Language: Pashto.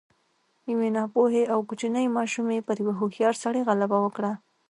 يوې ناپوهې او کوچنۍ ماشومې پر يوه هوښيار سړي غلبه وکړه.